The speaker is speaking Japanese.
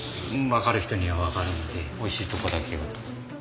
分かる人には分かるんでおいしいとこだけを。